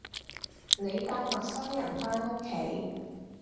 你帶陌生人返屋企